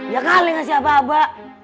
ya kali gak siap siap apa apa